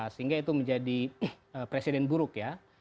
sehingga itu menjadi presiden buruk ya